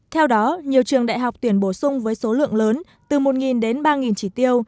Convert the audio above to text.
theo đó nhiều trường đại học tuyển bổ sung với số lượng lớn từ một đến ba chỉ tiêu